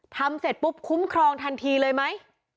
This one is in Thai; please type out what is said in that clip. ทำเสร็จปุ๊บคุ้มครองทันทีเลยไหม